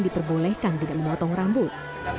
diperbolehkan tidak memotong rambut